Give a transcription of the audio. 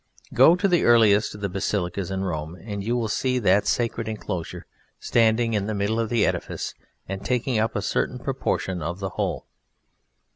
Go to the earliest of the basilicas in Rome, and you will see that sacred enclosure standing in the middle of the edifice and taking up a certain proportion of the whole.